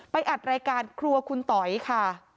อัดรายการครัวคุณต๋อยค่ะ